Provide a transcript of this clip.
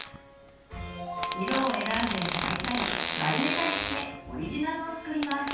色を選んで巻いたり丸めたりしてオリジナルを作ります。